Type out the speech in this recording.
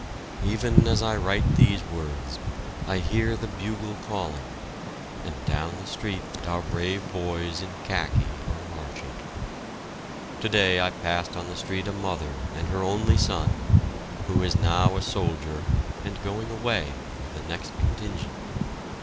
Even as I write these words, I hear the bugle calling, and down the street our brave boys in khaki are marching. Today I passed on the street a mother and her only son, who is now a soldier and going away with the next contingent.